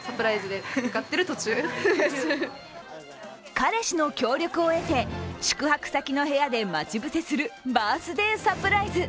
彼氏の協力を得て、宿泊先の部屋で待ち伏せするバースデーサプライズ。